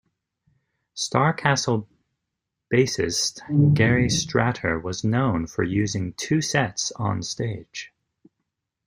Starcastle bassist Gary Strater was known for using two sets on stage.